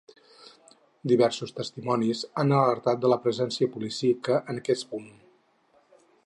Diversos testimonis han alertat de la presència policíaca en aquest punt.